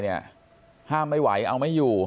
ห้ามไม่ไหวเอาไม่อยู่